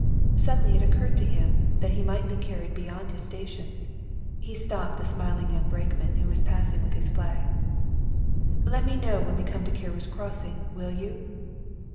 Suddenly it occurred to him that he might be carried beyond his station. He stopped the smiling young brakeman who was passing with his flag. '*Let me know when we come to Carew's Crossing, will you?"